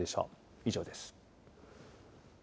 以上です。